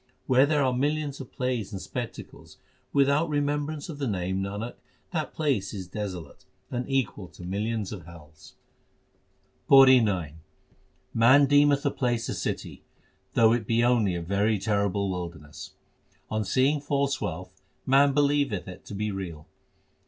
Where there are millions of plays and spectacles, without remembrance of the Name, Nanak, that place is desolate, and equal to millions of hells. 376 THE SIKH RELIGION PAURI IX Man deemeth a place a city, though it be only a very terrible wilderness. On seeing false wealth, man believeth it to be real.